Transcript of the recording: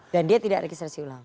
dan dia tidak registrasi ulang